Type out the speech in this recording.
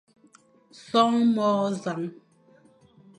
Son môr nẑañ.